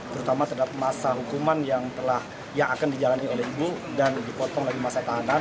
terutama terhadap masa hukuman yang akan dijalani oleh ibu dan dipotong dari masa tahanan